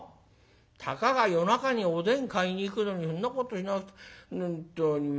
たかが夜中におでん買いに行くのにそんなことしなく本当にもう。